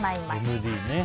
ＭＤね。